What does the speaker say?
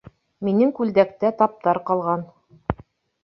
Минең күлдәктә таптар ҡалган